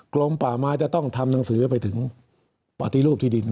ลมป่าไม้จะต้องทำหนังสือไปถึงปฏิรูปที่ดิน